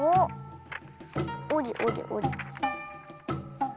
おりおりおり。